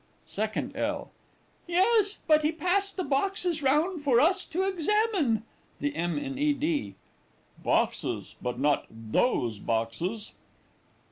SECOND L. Yes, but he passed the boxes round for us to examine. THE M. IN E. D. Boxes but not those boxes.